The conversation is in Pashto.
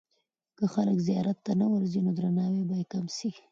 که خلک زیارت ته نه ورځي، نو درناوی به یې کم سي.